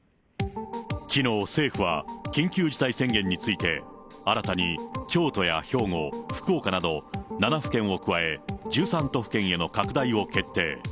きのう、政府は緊急事態宣言について、新たに京都や兵庫、福岡など、７府県を加え、１３都府県への拡大を決定。